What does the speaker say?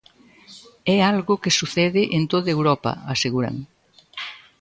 É algo que sucede en toda Europa, aseguran.